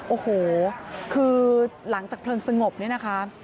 โอ้โหคือหลังจากเพลิงสงบเนี่ยนะคะ